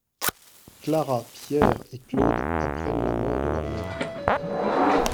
Clara, Pierre et Claude apprennent la mort de leur mère.